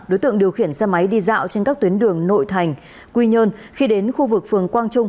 đối tượng điều khiển xe máy đi dạo trên các tuyến đường nội thành quy nhơn khi đến khu vực phường quang trung